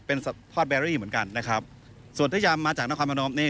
เป็นสัตว์แบร์รี่เหมือนกันนะครับส่วนที่ยามมาจากนาคารมันนมนี่